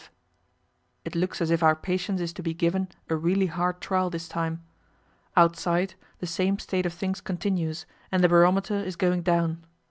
It looks as if our patience is to be given a really hard trial this time. Outside the same state of things continues, and the barometer is going down.